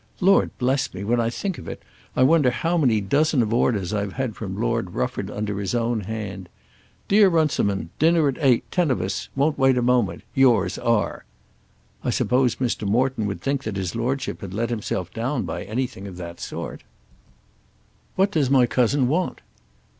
Lord bless me, when I think of it, I wonder how many dozen of orders I've had from Lord Rufford under his own hand. 'Dear Runciman, dinner at eight; ten of us; won't wait a moment. Yours R.' I suppose Mr. Morton would think that his lordship had let himself down by anything of that sort?" "What does my cousin want?"